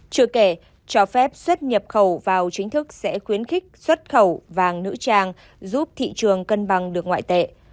chưa kể cho phép xuất nhập khẩu vào chính thức sẽ khuyến khích xuất khẩu vàng nữ trang giúp thị trường cân bằng được ngoại tệ